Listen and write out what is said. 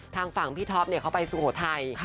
ทางฝั่งพี่ท็อปเขาไปสุโขทัย